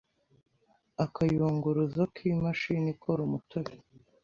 akayunguruzo k’imashini ikora umutobe,